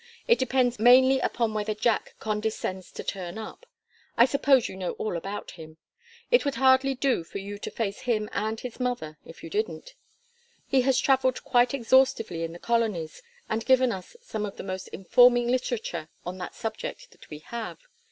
It depends mainly upon whether Jack condescends to turn up. I suppose you know all about him; it would hardly do for you to face him and his mother if you didn't. He has travelled quite exhaustively in the colonies and given us some of the most informing literature on that subject that we have.